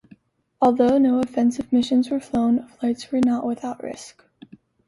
Although no offensive missions were flown, flights were not without risk.